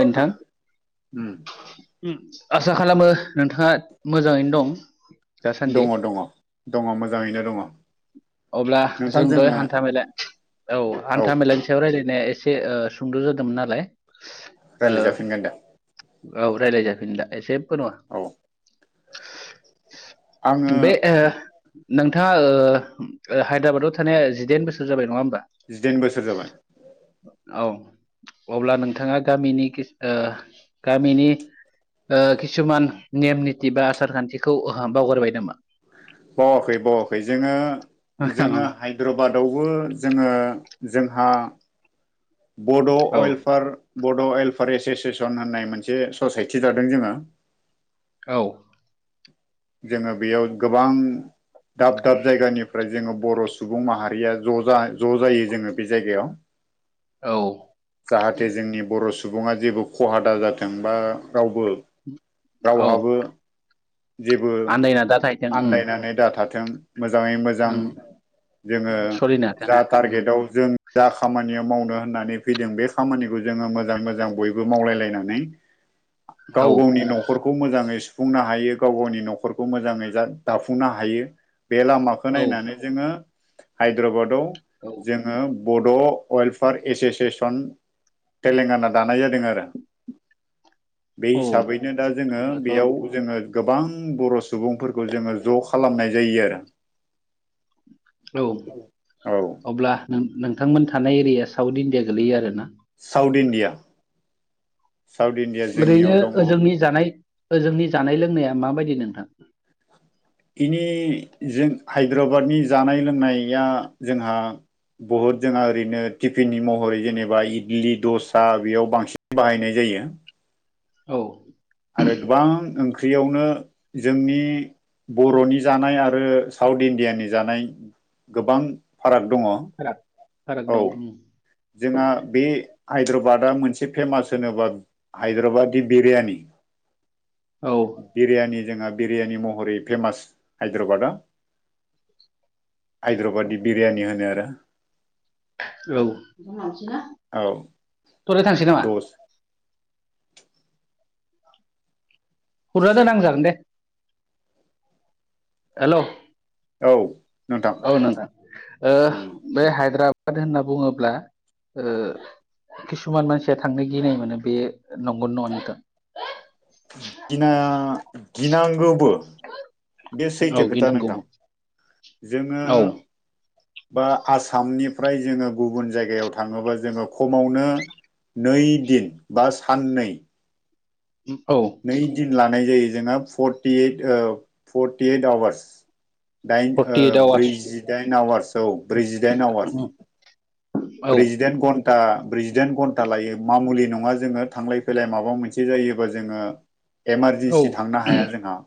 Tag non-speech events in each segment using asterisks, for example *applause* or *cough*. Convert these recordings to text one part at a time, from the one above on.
नोंथां उम ओम। आसा खालामो नोंथाङा मोजाङैनो दं। दासान्दि दङ दङ दङ मोजाङैनो दङ। अब्ला नोंथां जों द' जोङो हान्था मेला औ हान्था मेलानि सायाव रायज्लाय। म एसे सुंद' जादोंमोन नालाय। ओ रायलाय जाफिनगोन दा? औ रायज्लायजाफिनोदा जेबो नङा। औ आङो बे ओ। नोंथाङा हायद्राबादाव थानाया जिदाइन बोसोर जाबाय नङा ओम। जिदाइन बोसोर जाबाय। औ अब्ला नोंथाङा गामिनि किस ओ। गामिनि ओ किसुमान नेम निथि बा आसार खान्थिखौ बावगारबा नामा। बावाखै बाखै जोङो। जोङो हायद्राबादावबो जोङो जोंहा बड' औ वेलफेयार बड' वेलफेयार एस'सियेसन होननाय मोनसे ससाइटि जादों जोङो औ जोङो बेयाव गोबां दाब-दाब जायगानिफ्राय जोङो बर' सुबुं माहारिया ज' जा ज' जायो जोङो बे जायगायाव औ जाहाथे जोंनि बर' सुबुङा जेबो खहा दा जाथों बा रावबो औ रावहाबो जेबो आन्दायना दा थाहैदों उम आन्दायनानै दाथाथों मोजाङै मोजां उम जोङो सलिनो हाथों जा उम टारगेटआव जों जा खामानियाव मावनो होननानै फैदों बे खामानिखौ जोङो मोजां मोजां बयबो मावलायलायनानै गाव औ गावनि न'खरखौ मोजाङै सुफुंनो हायो। गाव गावनि न'खरखौ मोजाङै जा दाफुंनो हायो बे लामाखौ औ नायनानै जोङो हायद्राबादाव औ जोङो बड' वेलफेयार एस'सियेसन तेलेंगाना दानाय जादों आरो *unintelligible* बे औ हिसाबैनो दा जोङो अब्लाथ' बेयाव जोङो गोबां बर' सुबुंफोरखौ जोङो ज' खालामनाय जायो आरो औ औ अब्ला नों नोंथा नोंथांमोन थानाय एरिया साउथ इण्डिया गोलैयो आरोना साउथ इणडिया ओरैनो ओजोंनि जानाय ओजोंनि जानाय लोंनाया माबायदि नोंथां बेनि जों हायद्राबादनि जानाय लोंनाया जोंहा बुहुद जोंहा ओरैनो टिफिननि महरै जेनेबा इडलि दसा बेयाव बांसिन बाहायनाय जायो। *unintelligible* औ आरो गोबां ओंख्रियावनो जोंनि बर'नि जानाय आरो साउथ इण्डियानि जानाय गोबां फाराग दङ। फाराग फाराग दं। जोंहा बे हायद्राबादा मोनसे फेमास होनोबा हायद्राबादि बिरियानि *unintelligible* औ बिरियानि जोंहा बिरियानि महरै फेमास हायद्राबादा बिरियान होनो आरो औ औ थराय थांसै नामा दस खुरना दोन आं जागोन दे हेलौ औ नोंथां औ नोंथां उम बे हायद्राबाद होनना बुङोब्ला *unintelligible* किसुमान मानसिया थांनो गिनाय मोनो बे नंगौ नङा नोंथां गिना गिनांगौबो बे औ सैथो खोथा नोंथां गिनांगौबो जोङो औ बा आसामनिफ्राय जोङो गुबुन जायगायाव थाङोबा जोङो खमावनो नै दिन बा साननै औ नै दिन लानाय जायो जोङो फर्टियइट फर्टियओइट आवार्स दाइन फर्टि ओइट आवार्स ब्रैजिदाइन आवारस औ ब्रैजिदाइन आवारस औ ब्रैजिदाइन घनटा लायो मामुलि नङा जोङो थांलाय फैलाय माबा मोनसे जायोबा जोङो औ इमारजेन्सि थांनो हाया जोंहा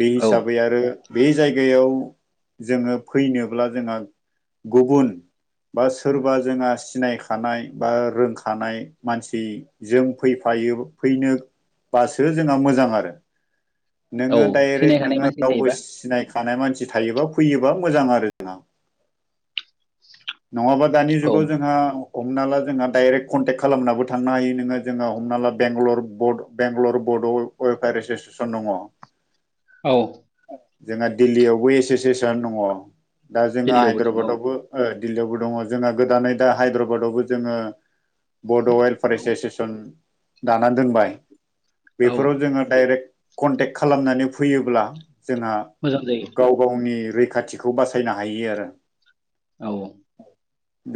बे औ हिसाबै आरो बे जायगायाव जोङो फैनोब्ला जोंहा गुबुन बा सोरबा जोंहा सिनायखानाय बा रोंखानाय मानसिजों फैफायो फैनोबासो जोंहा मोजां आरो औ नोङो सिनाय डाइरेक्ट खानाय नोङो मानसि रावबो थायोबा सिनायखानाय मानसि थायोबा फैयोबा मोजां आरो जोंहा नङाबा दानि औ जुगाव जोंहा हमना ला जोंहा डाइरेक्ट कनटेक्ट खालानाबो थांनो हायो नोङो जोङो हमना ला बेंगलर *unintelligible* बेंगलर *unintelligible* ड' वेलफेयार एससिसन दङ औ जोंहा दिल्लीयावबो एस'सियेसन दङ दा जोङो दिल्लीयावबो दं औ हायद्राबादावबो दिल्लीयावबो दङ जोंहा गोदानै दा हायद्राबादावबो जोङो बड' वेलफेयार औ एस'सियेसन दाना दोनबाय औ बेफोराव जोङो डाइरेक्ट कनटेक्ट खालामनानै फैयोब्ला जोंहा मोजां जायो गाव गावनि रैखाथिखौ बासायनो हायो आरो औ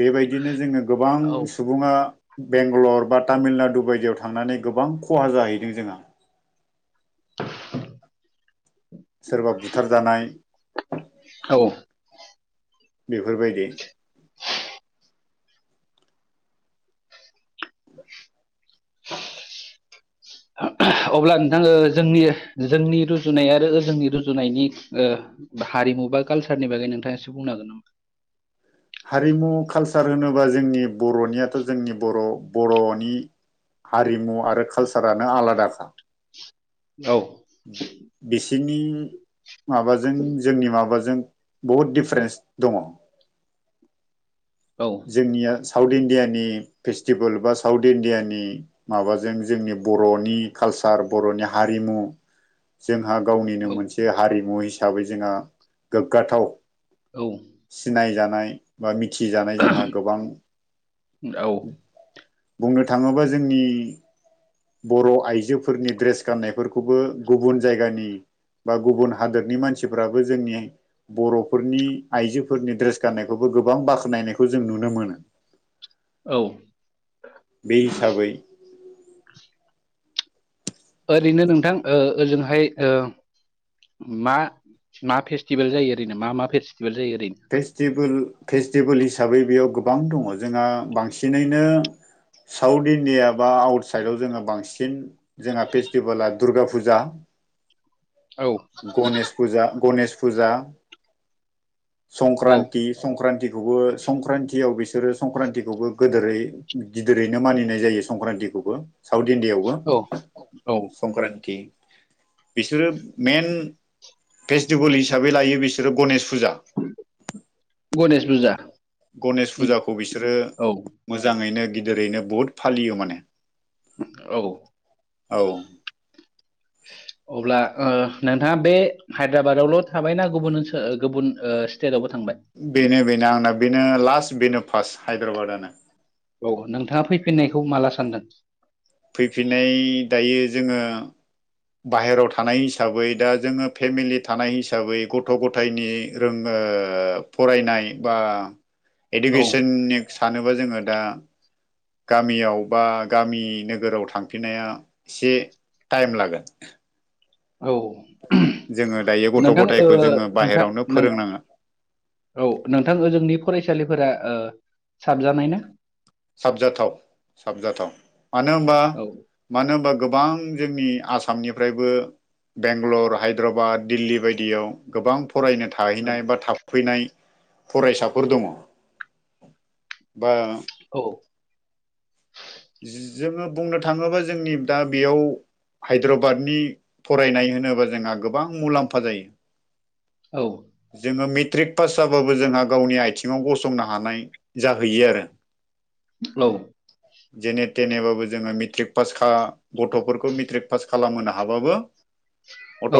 बेबायदिनो जोङो गोबां औ सुबुङा बेंगलर बा तामिलनाडु बायदियाव थांनानै गोबां खहा जाहैदों जोंहा *inaudible* सोरबा बुथारजानाय औ बेफोरबायदि *unintelligible* अब्ला नोंथां जोंनि जोंनि रुजुनाय आरो जोंनि रुजुनायनि हारि मबा कालसारनि बागै नोंथाङा एसे बुंनो हागोन नामा हारिमु कालसार होनोबा जोंनि बर'नियाथ' जोंनि बर' बर'नि हारिमु आरो कालसारानो आलादाखा औ बिसिनि माबाजों जोंनि माबाजों बहुद डिफारेन्स दङ औ जोंनिया साउथ इण्डियानि फेस्टिभेल बा साउथ इण्डियानि माबाजों जोंनि बर'नि काल सार बर'नि हारिमु जों हा गावनिनो औ मोनसे हारिमु हिसाबै जोंहा गोग्गाथाव औ सिनाय जानाय बा मिथि जोंहा गोबां औ बुंनो थाङोबा जोंनि बर' आइजोफोरनि ड्रेस गाननायफोरखौबो गुबुन जायगानि बा गुबुन हादोरनि मानसिफ्राबो जोंनि बर'फोरनि आइजोफोरनि ड्रेस गाननायखौबो गोबां बाख्नायखौ जों नुनो मोनो औ बे हिसाबै ओरैनो नोंथां ओजोंहाय मा मा फेस्टिभेल जायो ओरैनो मा मा फेस् फेस्टिभेल फेस्टिभेल हिसाबै बेयाव गोबां दङ जोंहा बांसिनैनो साउथ इण्डिया बा आउट साइदआव जोङो बांसिन जोंहा फेस्टिभेला दुर्गा फुजा *unintelligible* गनेश फुजा गनेश फुजा औ संक्रान्ति संक्रान्तिखौबो संक्रान्तियाव बे सोरो संक्रान्थिखौबो गोदोरै गिदिरैनो मानिनाय जायो संक्रान्तिखौबो साउथ इण्डियायावबो औ औ संक्रान्ति बिसोरो मेन फेस्टिभेल हिसाबै लायो बिसोरो गणेश फुजा *unintelligible* गणेश फुजा गनेश फुजाखौ बिसोरो औ मोजाङैनो गिदिरैनो बुहुत फालियो माने औ औ *inaudible* अब्ला ओ नोंथाङा बे हायद्राबादावल' थाबायना गुबुन ओनसोल गुबुन ओ स्टेटआवबो बेनो बेनो आंना बेनो लास्ट बेनो फार्स्ट हायद्राबादनो औ नोंथाङा फैफिननायखौ माला सानदों फैफिननाय दायो जोङो बाहेरायाव थानाय हिसाबै दा जोङो फेमिलि थानाय हिसाबै गथ' गथायनि रोङो फरायनाय बा औ इडुकेसननि सानोबा जोङो दा गामियाव बा गामि नोगोराव थांफिननाया एसे टाइम लागोन औ जोङो दायो गथ' नोंथां ओ गथायखौ जोङो नोंथां बाहेरावनो नों फोरोंनाङा औ नोंथां ओजोंनि फरायसालिफोरा ओ साबजानाय ना साबजाथाव साबजाथाव मानो होनबा औ मानो होनबा गोबां जोंनि आसामनिफ्रायबो बेंगलर हायद्राबाद दिल्ली बायदियाव गोबां फरायनो औ थाहैनाय बा थाफैनाय फरायसाफोर दङ बा औ जोङो बुंनो थाङोबा जोंनि दा बेयाव हायद्राबादनि फरायनाय होनोबा जोंहा गोबां मुलाम्फा औ जायो जोङो मित ट्रिक पास जाबाबो जोंहा गावनि आथिङाव गसंनो हानाय जाहैयो आरो औे जेने थेनेबाबो जोङो मेट्रिक पास गथ'फोरखौ मेट्रिक पास खालामहोनो हाबाबो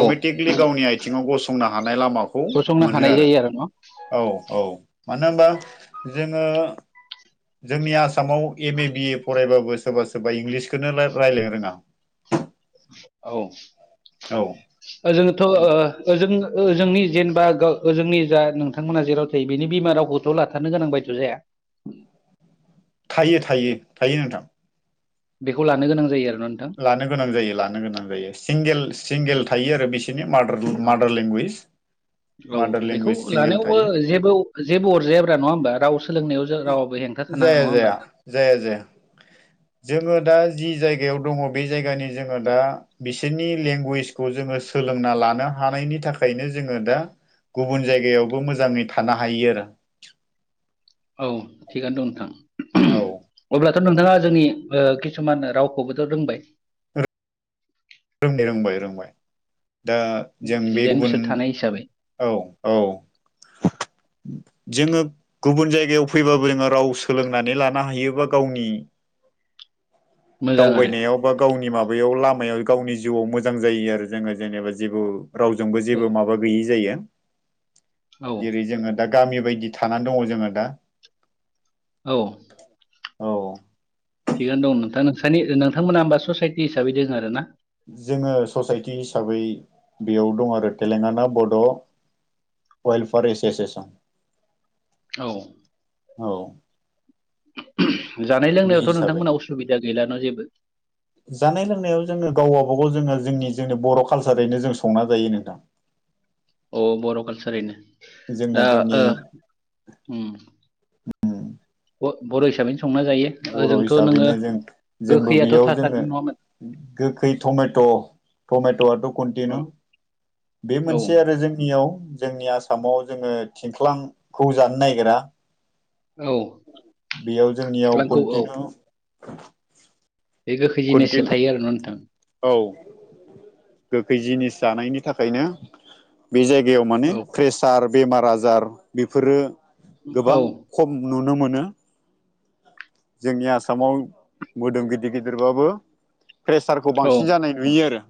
औ गावनि आथिङाव गसंनो हानाय लामाखौ गसंनो मोनो हानाय आरो जायो न' औ औ मानो होनबा जों ओ जोंनि आसामाव एम ए बि फरायबाबो सोरबा सोरबा इंलिसखौनो रायलायनो रोङा औ औ ओजोंथ' ओजों ओजों जेने जेनेबा गाव ओजोंनि जा नोंथांमोना जेराव थायो बिनि बिमा रावखौथ' लाथारनो गोनां बायथ' जाया औ थायो थायो थायो नोंथां बेखौ लानो गोनां जायो आरो ना नोंथां लानो गोनां जायो लानो गोनां जायो सिंगेल सिंगेल थायो आरो बेसे मारडार औ माडार लेंगुवेज औ मादार बेखौ लेंगुवेज सिंगेल लानायावबो थायो जेबो जेबो अरजायाब्रा नङा होमबा राव सोलोंनायाव जों रावाबो हेंथा थानाङा नङा जाया होमबा जाया नोंथां जाया जाया जोङो दा जि जायगायाव दङ बे जायगानि जोङो दा बिसोरनि लेंगुवेजखौ जोङो सोलोंना लानो हानायनि थाखायनो जोङो दा गुबुन जायगायावबो मोजाङै थानो हायो आरो औ थिगानो दं नोंथां औ अब्लाथ' नोंथाङा जोंनि किसुमान रावखौबोथ' रोंबाय रोंनाया रोंबाय रोंबाय दा जों बे जिदाइन गुबुन बोसोर थानाय हिसाबै औ औ जोङो गुबुन जायगायाव फैबाबो जोङो राव सोलोंनानै लानो हायोबा गावनि उ *inaudible* दावबायनायाव बा गावनि माबायाव लामायाव गावनि जिउआव मोजां मोजां जायो आरो जोङो जेनेबा जेबो रावजोंबो औ जेबो माबा गैयि जायो औ जेरै जोङो दा गामि बायदि थानानै दङ जोङो दा औ औ थिगानो दं नोंथां नोंसनि नोंथांमोना होमबा ससाइटि हिसाबै दङ आरोना जोङो ससाइटि हिसाबै बेयाव दं आरो तेलेंगाना बड' अेलफेयार एस'सियेसन औ औ जानाय बे लोंनायावथ' हिसाबै नोंथांमोना उसुबिदा गैलाना' जेबो जानाय लोंनायाव जोङो गाव गाबागावबो जोङो जोंनि बर' कालसारैनो जों संना जायो नोंथां *inaudible* अ बर' कालसारैनो जोंना दा जोंनि ओ उम बर' हिसाबै बर' हिसाबैनो जों जोंबो गोखैयाथ' बेयाव जोङो थाथारगोन नङामोन गोखै टमेट' टमेट'आथ' औ कन्टिनिउ बे औ मोनसे आरो जोंनियाव जोंनि आसामाव जोङो थिंख्लांखौ जानो नागिरा औ बेयाव जोंनियाव खेख्लांखौ औ कन्टिनिउ बे गोखै जिनिससो कुनटिन थायो आरोना नोंथां औ गोखै जिनिस जानायनि थाखायनो बे जायगायाव माने औ प्रेसार बेमार आजार बेफोरो औ गोबां खम नुनो मोनो जोंनि आसामाव मोदोम गिदिर गिदिर गिदिरबाबो प्रेसारखौ बांसिन जानाय नुयो आरो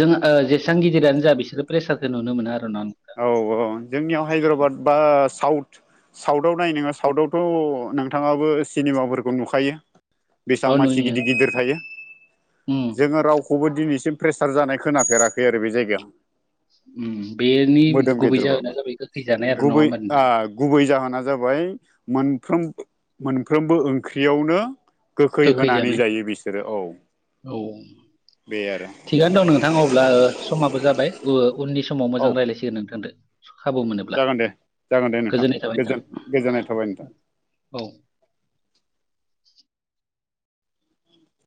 जों जेसेबां गिदिरानो जा बिसोरो प्रेसारखौ नुनो मोना आरो ना औ औ जोंनियाव हायद्राबाद बा साउथ साउथाव नाय नोङो साउथावथ' नोंथाङाबो सिनेमाफोरखौ नुखायो औ बेसेबां मानसि नुयो गिदिर गिदिर थायो उम जोङो रावखौबो दिनै सिम प्रेसार जानाय खोनाफेराखै आरो बे जायगायाव उम बेनि मोदोम गुबै जाहोना गेदेरबाबो जाबाय गोखै जानाय आरो नङा गुबै होमबा नोंथां गुबै जाहोना जाबाय मोन मोनफ्रोमबो ओंख्रियावनो गोखै होनानै जायो बिसोरो औ औ बे आरो थिगानो दं नोंथां अब्ला समाबो जाबाय उननि समाव औ मोजां रायज्लायसिगोन नोंथांदो खाबु मोनोब्ला जागोन दे जागोन दे नोंथां गोजोननाय थाबाय नोंथां गोजोन गोजोननाय थाबाय नोंथां औ